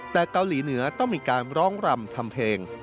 แต่เกาหลีเหนือต้องมีการร้องรำทำเพลง